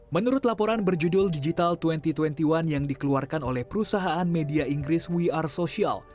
menurut laporan berjudul digital dua ribu dua puluh satu yang dikeluarkan oleh perusahaan media inggris we are social